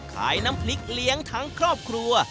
ขายน้ำพริกเลี้ยงทั้งครอบครัว